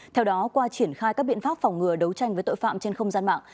theo đó qua triển khai các biện pháp phòng ngừa đấu tranh với tội phạm trên không gian mạng